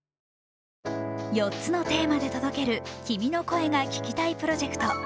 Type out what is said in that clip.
４つのテーマで届ける君の声が聴きたいプロジェクト。